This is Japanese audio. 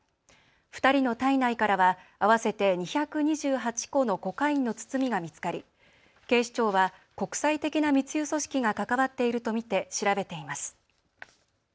２人の体内からは合わせて２２８個のコカインの包みが見つかり警視庁は国際的な密輸組織が関わっていると見て調べています。